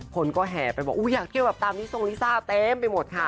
คนก็แห่ไปบอกอยากเที่ยวแบบตามลิซงลิซ่าเต็มไปหมดค่ะ